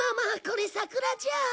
これ桜じゃ。